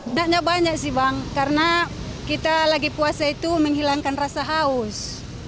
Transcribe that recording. enggaknya banyak sih bang karena kita lagi puasa itu menghilangkan rasa haus